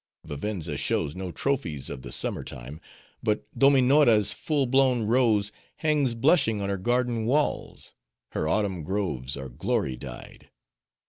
Vivenza shows no trophies of the summer time, but Dominora's full blown rose hangs blushing on her garden walls; her autumn groves are glory dyed."